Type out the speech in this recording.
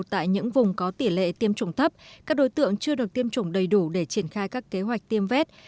tại những vùng có tỷ lệ tiêm chủng thấp các đối tượng chưa được tiêm chủng đầy đủ để triển khai các kế hoạch tiêm vét